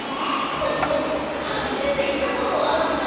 こんどはじめていとことあうんだ。